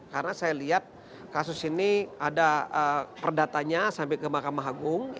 karena saya lihat kasus ini ada perdatanya sampai ke mahkamah agung